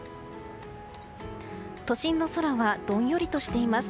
都心の空はどんよりとしています。